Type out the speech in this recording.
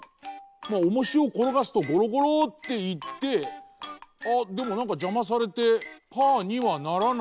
まあおもしをころがすとゴロゴロっていってあっでもなんかじゃまされてパーにはならない。